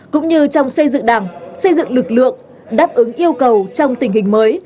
cũng như trong xây dựng đảng xây dựng lực lượng đáp ứng yêu cầu trong tình hình mới